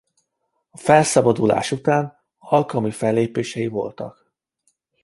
A felszabadulás után alkalmi fellépései voltak.